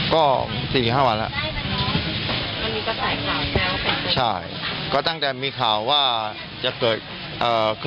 ก็บีห้าวันแล้วก็ตั้งแต่มีข่าวว่าจะเกิดอ่า